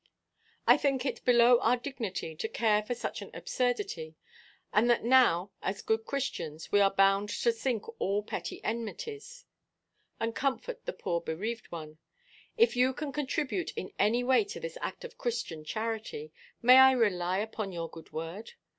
'")—"I think it below our dignity to care for such an absurdity; and that now, as good Christians, we are bound to sink all petty enmities, and comfort the poor bereaved one. If you can contribute in any way to this act of Christian charity, may I rely upon your good word?